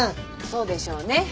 そうでしょうね。